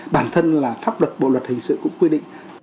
bản thân là pháp luật bộ luật hình sự cũng quy định